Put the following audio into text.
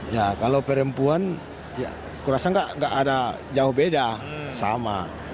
ya kalau perempuan ya kurasa nggak ada jauh beda sama